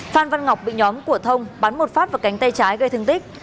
phan văn ngọc bị nhóm của thông bắn một phát vào cánh tay trái gây thương tích